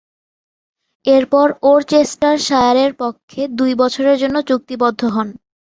এরপর ওরচেস্টারশায়ারের পক্ষে দুই বছরের জন্য চুক্তিবদ্ধ হন।